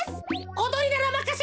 おどりならまかせとけ。